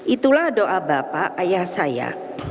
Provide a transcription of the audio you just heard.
itulah doa bapak ayah saya